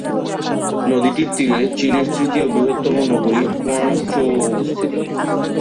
নদীটির তীরে চীনের তৃতীয় বৃহত্তম নগরী কুয়াংচৌ অবস্থিত।